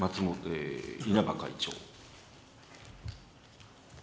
稲葉会長。